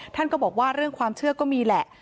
ท่านก็บอกว่าเรื่องความเชื่อก็มีแหละ